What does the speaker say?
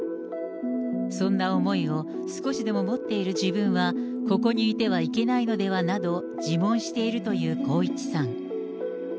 そんな思いを少しでも持っている自分はここにいてはいけないのではなど、自問しているという光一さん。